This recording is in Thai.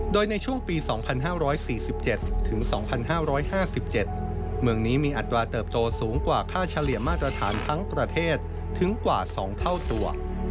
โดยในช่วงปี๒๕๔๗ถึง๒๕๕๗เมืองนี้มีอัตราเติบโตสูงกว่าค่าเฉลี่ยมาตรฐานทั้งประเทศถึงกว่า๒เท่าตัว